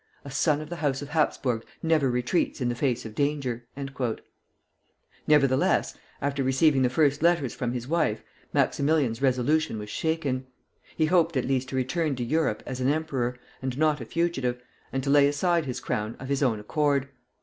A son of the house of Hapsburg never retreats in the face of danger." Nevertheless, after receiving the first letters from his wife, Maximilian's resolution was shaken. He hoped at least to return to Europe as an emperor, and not a fugitive, and to lay aside his crown of his own accord.